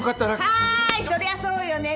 はーいそりゃそうよね。